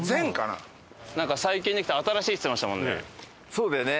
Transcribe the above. そうだよね。